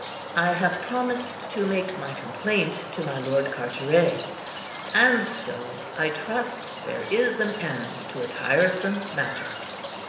I have promised to make my complaint to my Lord Carteret. And so, I trust there is an end to a tiresome matter."